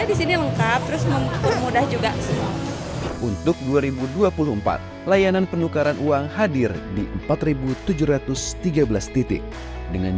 di sini lengkap terus mempermudah juga untuk dua ribu dua puluh empat layanan penukaran uang hadir di empat ribu tujuh ratus tiga belas titik dengan